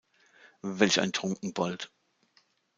Welch ein Trunkenbold.